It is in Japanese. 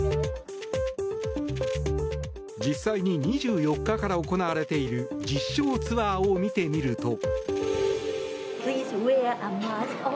実際に２４日から行われている実証ツアーを見てみると。